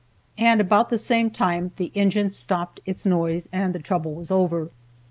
And about the same time the engine stopped its noise, and the trouble was over.